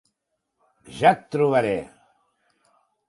Ja et trobaré!